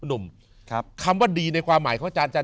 หนุ่มครับคำว่าดีในความหมายของอาจารย์